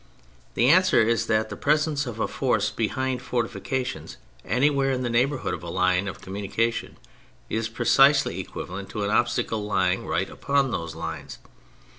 The answer is that the preserce of a force behind fortifications anywhere in the neighbourhood of a Hne of communication is precisely equivalent to an obstacle lying right upon those lines.